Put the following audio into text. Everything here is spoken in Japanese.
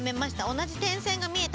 同じ点線が見えたので。